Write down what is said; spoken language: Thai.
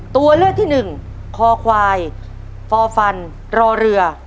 ตัวเลือกที่หนึ่งคอควายฟอร์ฟันรอเรือ